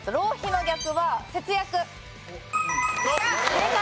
正解。